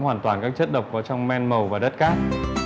hoàn toàn các chất độc có trong men màu và đất cát